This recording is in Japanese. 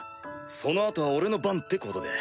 その後は俺の番ってことで。